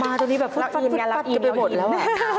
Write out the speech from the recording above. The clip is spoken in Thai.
มาวันนี้ฟักกันไปหมดแล้วอ่ะ